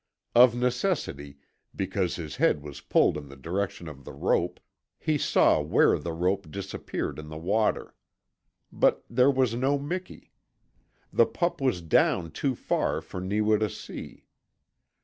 Of necessity, because his head was pulled in the direction of the rope, he saw where the rope disappeared in the water. But there was no Miki. The pup was down too far for Neewa to see.